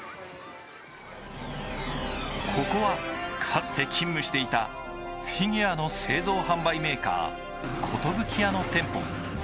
ここは、かつて勤務していたフィギュアの製造・販売メーカー、コトブキヤの店舗。